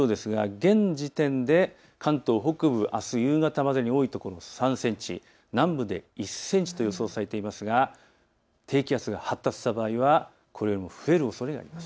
現時点で関東北部、あす夕方まで多いところで３センチ、南部で１センチと予想されていますが低気圧が発達した場合はこれよりも増えるおそれがあります。